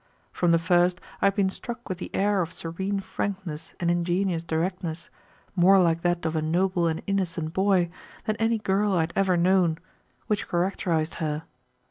From the first I had been struck with the air of serene frankness and ingenuous directness, more like that of a noble and innocent boy than any girl I had ever known, which characterized her.